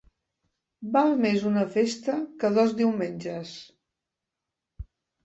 Val més una festa que dos diumenges.